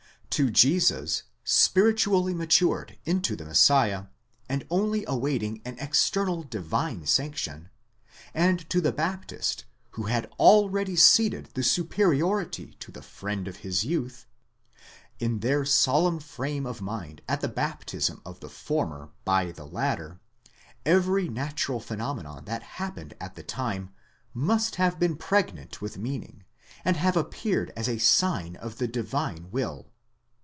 To Jesus, spiritually matured into the Messiah, and only awaiting an external divine sanction, and to the Baptist who had already ceded the superiority to the friend of his youth, in their solemn frame of mind at the baptism of the former by the latter, every natural phenomenon that happened at the time, must have been pregnant with meaning, and have appeared as a sign of the divine will.